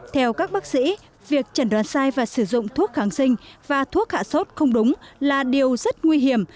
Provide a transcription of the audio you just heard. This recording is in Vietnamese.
theo các bác sĩ việc trần đoán sai và sử dụng thuốc kháng sinh và thuốc hạ sốt không đúng là điều rất nguy hiểm